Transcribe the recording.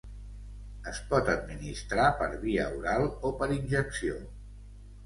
Es pot administrar per via oral o per injecció.